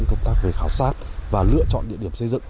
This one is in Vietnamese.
công tác về khảo sát và lựa chọn địa điểm xây dựng